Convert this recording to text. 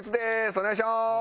お願いします！